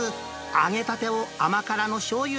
揚げたてを甘辛のしょうゆ